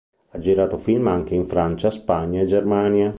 Ha girato film anche in Francia, Spagna e Germania.